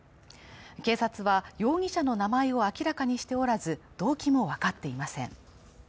警察は容疑者の名前を明らかにしておらず、動機も分かっていません